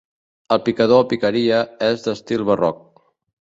El picador o picaria és d'estil barroc.